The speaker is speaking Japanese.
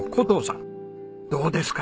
どうですか？